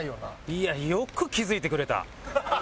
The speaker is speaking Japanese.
いやよく気付いてくれた！